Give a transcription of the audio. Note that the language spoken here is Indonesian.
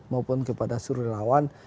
maupun kepada seluruh lawan